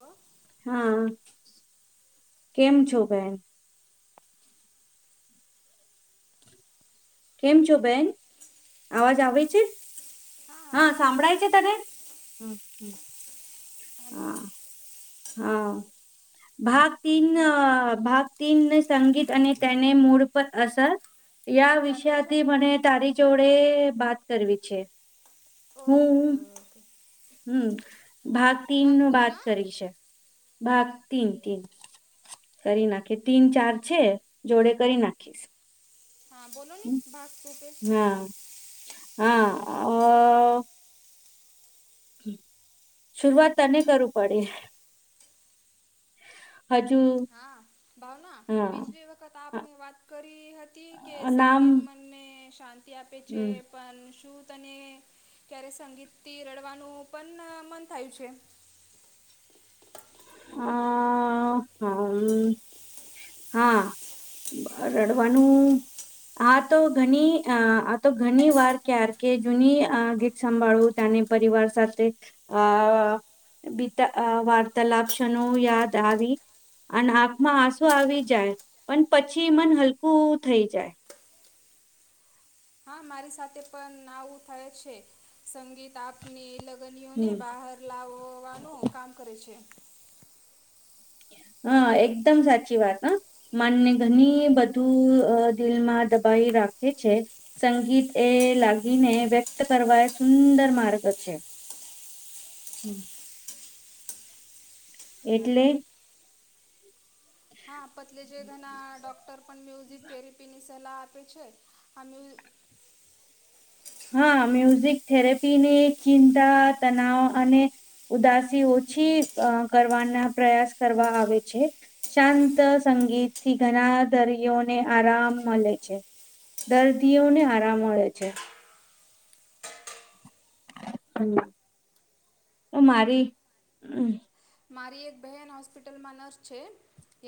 અ હા, કેમ છો બેહેન? કેમ છો બેન? આવાજ આવે છે, હા સાંભળાય છે તને? હ હલો હા ભાગ તીન, અ ભાગ તીનને સંગીત અને તેને મૂળ પર અસર એઆ ક્યાં કહે છે વિષયાથી મને તારી જોડે બાત કરવી છે. હમ્મ હમ્મ [inaudible] હમ્મ, ભાગ તીન નુ ભાગતું બાત ના કરી છે. ભાગ તીન તીન, કરી નાખી તીન, ચાર છે, જોડે કરી નાખીશ. હા, બોલોની ભાગ ટૂતે હા હા અ શુરૂઆત તને કરવુ પડે. હજુ. હા ભાવના, હા પિછલી વખત આપને વાત કરી હતી, કે નામ સંગીતમાં. ને શાંતિ આપે છે. હમ પણ શું તને, ક્યારે સંગીત થી રડવાનું પણ મન થાયું છે? હા, હમ્મ, હા. બ રડવાનું હા તો ઘણી, આ તો ઘણી વાર ક્યાર કે જૂની અ ગીત સંભાળું. જાને પરિવાર સાથે અ બીતા અ વાર્તાલાપ છ ક્ષણો યાદ આવી અન આંખમાં આસુ આવી જાય, પણ પછી મન હલકું થઈ જાય. હા મારી સાથે પણ આવું થાય છે, સંગીત આપની લગનિયોને હમ બહાર લાવોવાનું કામ કરે છે. હા, એકદમ સાચી વાત હ. માનને તો ની બધું દિલમાં દબાઈ રાખે છે સંગીત એ લાગીને વ્યક્ત કરવા એ સુંદર માર્ગ છે. હમ એટલે હ હા પતલીજ ઘના ડૉક્ટર પણ મ્યુઝિક થેરેપીની સલાહ આપે છે. અમમે હા મ્યુઝિક થેરેપીની ચિંતા તનાવ અને ઉદાસી ઓછી કરવાના પ્રયાસ કરવા આવે છે. શાંત સંગીતથી ઘણા દરિયોને આરામ મળે છે. દર્દીઓને આરામ મળે છે. હમ હુ મારી મારી એક બહેન હોસ્પિટલમાં નર્સ છે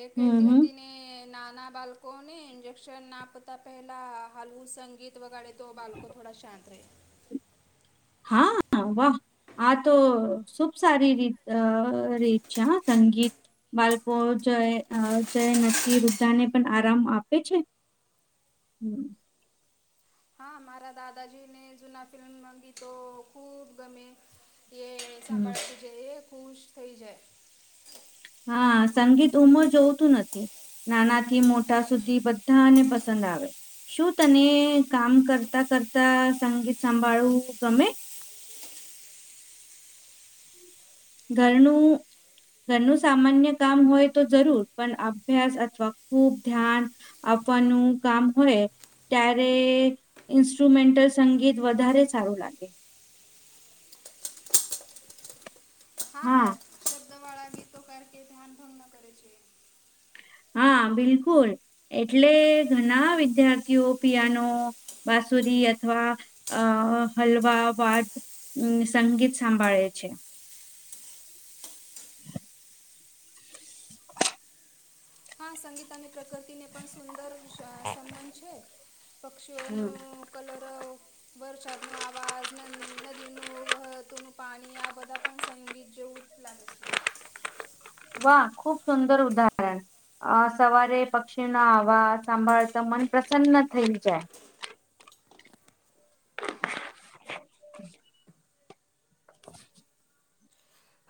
એ કહેતી હમ. હતી ને ને નાના બાળકો ને ઇન્જેક્શન ના આપતા પેલા હાલવું સંગીત વગાડે તો બળકો થોડા શાંત રહે હા વાહ આ તો શુભ સારી રીત રે ઈછે હ સંગીત બાળકો જ જ નથી વૃદ્ધા ને પણ આરામ આપે છે. હમ હ મારા દાદાજીને જૂના ફિલ્મ મગી તો ખૂબ ગમે એ હમ. સાંભાળતું જ એ ખુશ થઈ જાય હા સંગીત ઉમર જોવતું નથી. નાનાથી મોટા સુધી બધાને પસંદ આવે શું તને કામ કરતા કરતા સંગીત સંભાળવું ગમે ઘરનું ઘરનું સામાન્ય કામ હોય તો જરૂર પણ અભ્યાસ અથવા ખૂબ ધ્યાન આપવાનું કામ હોય ત્યારે ઇન્સ્ટ્રુમેન્ટલ સંગીત વધારે સારું લાગે હા શરદવાળા બી તો કર કે ધ્યાન ભંગ ન કરે છે. હા બિલકુલ એટલે ઘણા વિદ્યાર્થીઓ પિયાનો બાસુરી અથવા અ હલવા વાદ અ સંગીત સાંભાળે છે. [inaudible] હા સંગીતાની પ્રકૃતિને પણ સુંદર સંબંધ છે, હમ પક્ષીઓનું કલરવ વરસાદ નો આવાજ નદીનું વતોનું પાણી આ બધા પણ સંગીત જેવું લાગે છે. વાહ ખુબ સુંદર ઉદાહરણ અ સવારે પક્ષીના આવા સાંભાળતા મન પ્રસન્ન થઈ જાય [unintelligible] [unintelligible]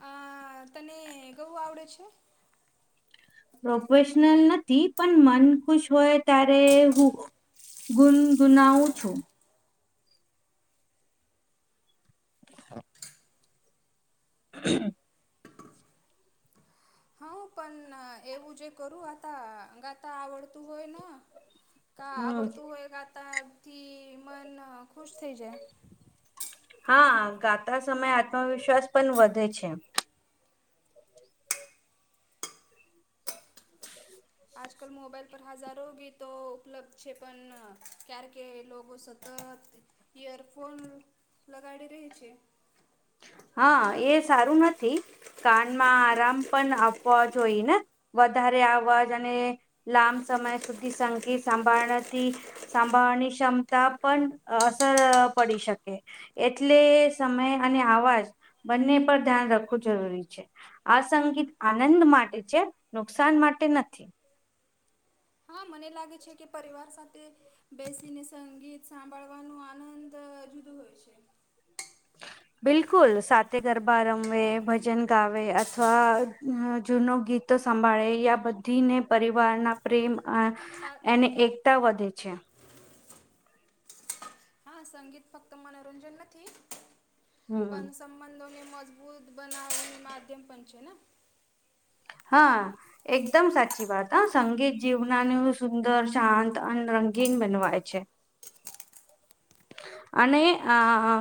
આ તને ગવું આવડે છે. પ્રોફેશનલ નથી પણ મન ખુશ હોય ત્યારે હું. ગુનગુનાઉું છું. [unintelligible] [unintelligible] હા પણ એવું જે કરું આ ગાતા આવડતું હોય. કા હમ આવડતું હોય ગાતા થી મન ખુશ થઈ જાય હા ગાતા સમયે આત્મવિશ્વાસ પણ વધે છે. [inaudible] આજકાલ મોબાઈલ પર હજારો ગીતો ઉપલબ્ધ છે, પણ ક્ય્યારે કે લોકો સતત ઇયરફોન લગાડી રહી છે. હા એ સારું નથી કાનમાં આરામ પણ આપવા જોઈ ને. વધારે અવાજ અને લાંમ સમય સુધી સંગી સાંભાળનાથી સાંભાળવાની ક્ષમતા પણ અસર પડી શકે. એટલે સમય અને આવાજ બંને પર ધ્યાન રાખવું જરૂરી છે. આ સંગીત આનંદ માટે છે, નુકસાન માટે નથી. હા મને લાગે છે, કે પરિવાર સાથે બેસીને સંગીત સાંભળવાનો આનંદ જુદું હોય છે. [inaudible] બિલકુલ સાથેતે ગરબા રમવે ભજન ગાવે અથવા જૂનું ગીત સંભાળે આ બધી ને પરિવારના પ્રેમ સા એને એકતા વધે છે, હા સંગીત ફક્ત મનોરંજન નથી હમ પણ સંબંધોને મજબૂત બનાવની માધ્યમ પણ છે, ને હા એકદમ સાચી વાત હા સંગીત જીવનાનું સુંદર શાંત અને રંગીન બનવાય છે. અને આ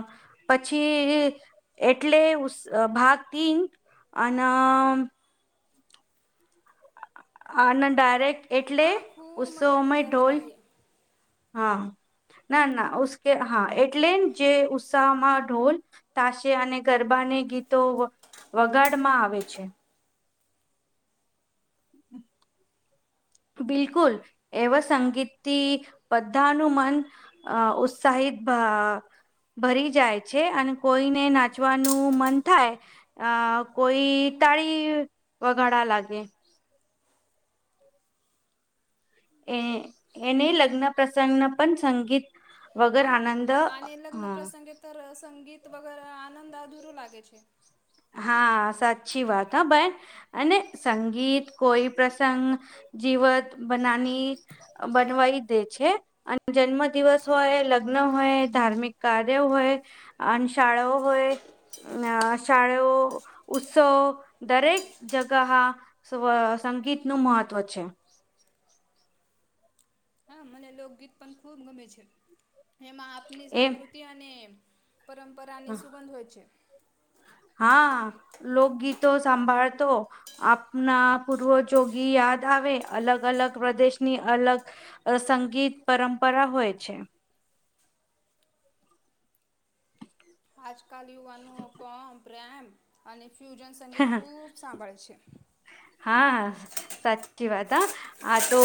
પછી એટલે ભાગ તીન અન આ ડાયરેક્ટ એટલે હા ખૂબ મજાની ઉત્સોમાંય ચર્ચા ઢોલ રહી હા ના ના ઉશ્કે હા એટલે જે ઉત્સાહમાં ઢોલ તાશે અને ગરબાને ગીતો વગાડમાં આવે છે. બિલકુલ એવા સંગીતથી બધાનું મન અ ઉત્સાહિત ભરી જાય છે, અને કોઈને નાચવાનું મન થાય અ કોઈ તાળી વગાડા લાગે એ એને લગ્ન પ્રસંગ પણ સંગીત વગર આનંદહા તો સંગીત વગેર આનંદ અધૂરું લાગે છે. હા સાચી વાત હ બેન અને સંગીત કોઈ પ્રસંગ જીવત બનાની બનવાઈ દે છે. અને જન્મ દિવસ હોય લગ્ન હોય ધાર્મિક કાર્ય હોય અને શાળાઓ હોય ન શાળઓ ઉત્સવ દરેક જગા હા સંગીત નું મહત્વ છે. હા મને લોકગીત પણ ખૂબ ગમે છે એમાં આપની એ સંસ્કૃતિ અને પરંપરાની સુગંધ હોય છે. હા લોકગીતો સાંભાળતો આપના પૂર્વજોગી યાદ આવે અલગ અલગ પ્રદેશની અલગ અ સંગીત પરંપરા હોય છે. આજકાલ યુવાનો પણ પ્રેમ અને ફ્યુજન સંગીત ખૂબ સાંભળે છે. હા સાચી વાત હા આ તો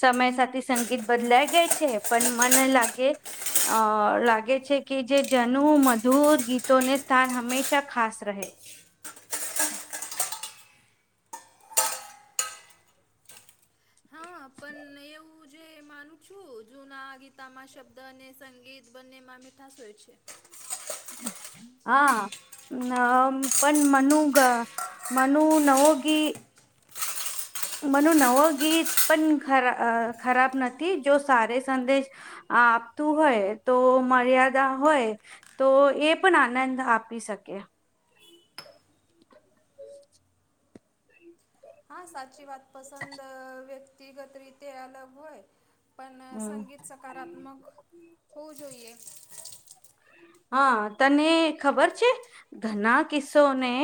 સમય સાથે સંગીત બદલાય ગાય છે પણ મને લાગે અ લાગે છે કે જે જનુ મધુર ગીતોને સ્થાન હંમેશા ખાસ રહે. [inaudible] [inaudible] તું જે માનું છું ના ગીતામાં શબ્દ અને સંગીત બંનેમાં મીઠાશ હોય છે. હા પણ મનુ ગ મનુ નવોગી મને નવો ગીત પણ ખરા ખરાબ નથી જો સાર સંદેશ આ આપતું હોય તો મર્યાદા હોય. તો એ પણ આનંદ આપી શકે [unintelligible] હા સાચી વાત પસંદ વ્યક્તિગત રીતે અલગ હોય. પણ હમ સંગીત સકારાત્મક હોવું જોઈએ હા તને ખબર છે ઘના કિસ્સોને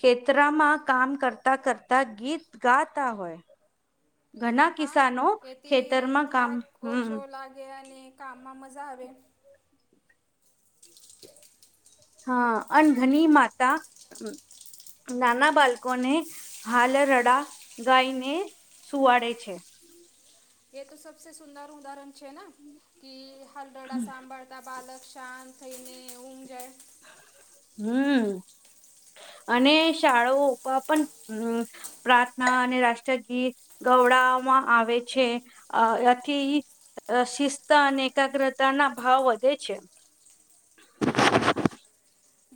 ખેતરામાં કામ કરતા કરતા ગીત ગાતા હોય ઘણા હા કિસાનો એથી ખેતરમાં કામ થાક હમ ઓછો લાગે અને કામમાં મજા આવે હા અનઘની માતા નાના બાળકોને હાલ રડા ગાઈને સુવાડે છે. એ તો સબસે સુુંદર ઉદાહરણ છે ને કે હલરડા સાંભર બધા બાલક શાંત થઈને ઊમ જાય હમ અને શાળાઓ ઉપ પણ હમ પ્રાર્થના અને રાષ્ટ્રગીત ગવડવામાં આવે છે અથી અ શિસ્તા અને એકાગ્રતા ના ભાવ વધે છે. [unintelligible]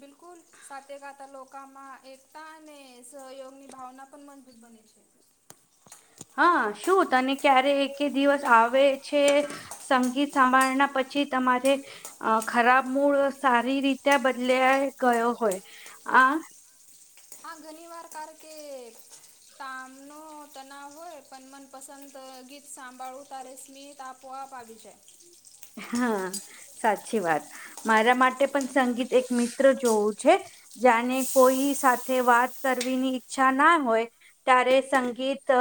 બિલકુલ સાથે ગાતા લોકોમાં એકતા અને સહયોગની ભાવના પણ મજબૂત બને છે. હા શું તને ક્યારે એક એક દિવસ આવે છે. સંગીત સાંભળના પછી તમારે અ ખરાબ મૂળ સારી રીતે બદલા ગયો હોય આ આ ઘણી વાર કર કે તામ ન તનાવ હોય પણ મનપસંદ ગીત સાંભાળું તારે સ્મિત આપ પવા ભાવી છે. હા સાચી વાત મારા માટે પણ સંગીત એક મિત્ર જોવું છે. જાને કોઈ સાથે વાત કરવીની ઈચ્છા ના હોય. ત્યારે સંગીત અ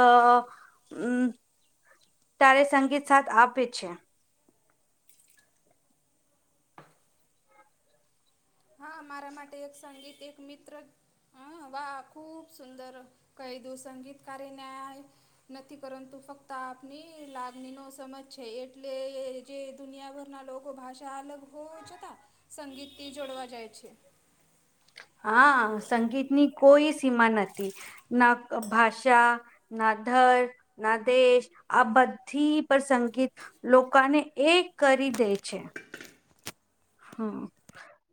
તારે સંગીત સાથ આપે છે. હા મારા માટે એક સંગીત એક મિત્ર હ વાહ ખૂબ સુંદર કહી દુંસંગીતકારારે ન્યાય નથી પરંતુ ફક્ત આપની લાગણીનો સમજ છે એટલે જે દુનિયાભરના લોકો ભાષા અલગ હોવા છતાં સંગીતથી જોડવા જાય છે. હા સંગીત ની કોઈ સીમા નથી ના ભાષા ના ધર ના દેશ આ બધી પર સંગીત લોકોને એ કરી દે છે હમ